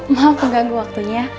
maaf mengganggu waktunya